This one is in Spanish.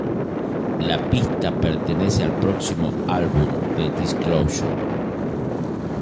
La pista pertenece al próximo álbum de Disclosure.